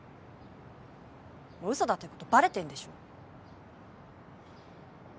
もう嘘だってことバレてんでしょ。